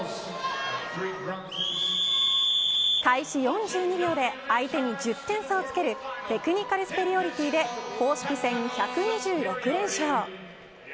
開始４２秒で相手に１０点差をつけるテクニカルスペリオリティで公式１２６連勝。